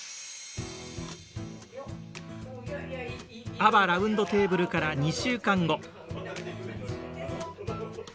ＡＷＡラウンドテーブルから２週間後。